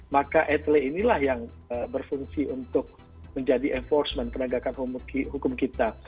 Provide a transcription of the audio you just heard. maka etele inilah yang berfungsi untuk menjadi enforcement penegakan hukum kita